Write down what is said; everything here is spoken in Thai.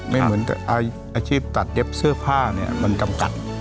เหมือนอาชีพตัดเย็บเสื้อผ้าเนี่ยมันจำกัด